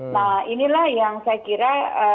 nah inilah yang saya kira